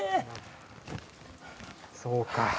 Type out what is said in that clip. そうか。